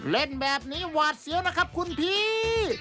เล่นแบบนี้หวาดเสียวนะครับคุณพี่